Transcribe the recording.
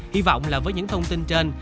hy vọng là với những thông tin trên